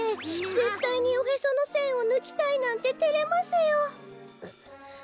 ぜったいにおへそのせんをぬきたいなんててれますよ。